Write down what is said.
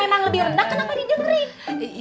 kalau memang lebih rendah kenapa di dengerin